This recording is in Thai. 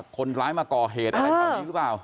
คนร้ายมาก่อเหตุอะไรแถวนี้หรือเปล่า